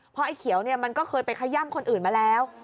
เพราะไอ้เขียวเนี่ยมันก็เคยไปขย่ำคนอื่นมาแล้ว